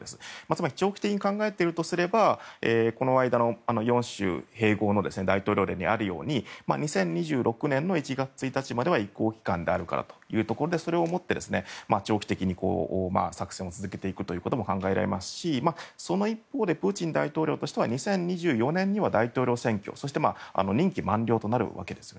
つまり長期的に考えているとすればこの間の４州併合の大統領令にあるように２０２６年の１月１日までは移行期間であるからというところで、それをもって長期的に作戦を続けていくことも考えられますしその一方でプーチン大統領としては２０２４年には大統領選挙そして任期満了となるわけです。